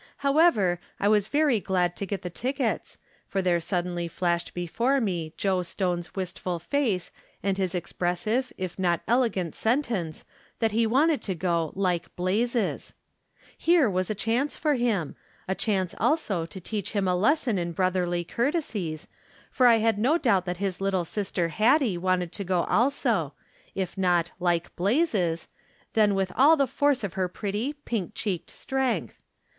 How ever, I was very glad to get the tickets, for there suddenly flashed before me Joe Stone's wistful face and his expressive, if not elegant sentence, that he wanted to go "like blazes !" Here was a chance for him ; a chance, also, to teach him a lesson in brotherly courtesies, for I had no doubt that his little sister Hattie wanted to go also, if not " like blazes," then with all the force of her pretty, pink cheeked strength.